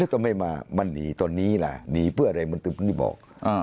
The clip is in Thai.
ทำไมนี่มันหนีตอนนี้ล่ะหนีเพื่ออะไรเหมือนที่พุ่งที่บอก